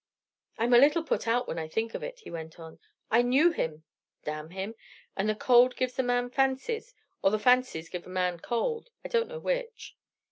"I'm a little put out when I think of it," he went on. "I knew him damn him! And the cold gives a man fancies or the fancies give a man cold, I don't know which."